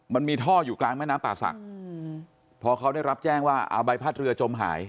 มันมีท่ออยู่กลางแม่น้ำป่าศักดิ์พอเขาได้รับแจ้งว่าเอาใบพัดเรือจมหาย